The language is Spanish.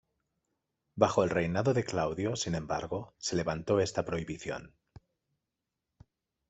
Bajo el reinado de Claudio, sin embargo, se levantó esta prohibición.